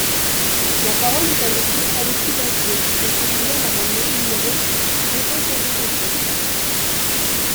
La parole est à Monsieur Alexis Bachelay, pour soutenir l’amendement numéro deux cent soixante-trois.